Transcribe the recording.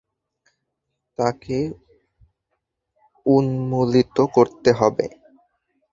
তাকে উন্মূলিত করতে হবে।